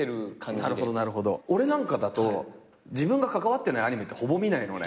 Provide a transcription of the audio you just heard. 俺なんかだと自分が関わってないアニメってほぼ見ないのね。